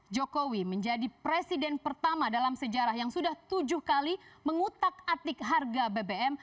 jokowi menjadi presiden pertama dalam sejarah yang sudah tujuh kali mengutak atik harga bbm